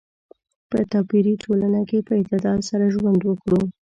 په توپیري ټولنه کې په اعتدال سره ژوند وکړو.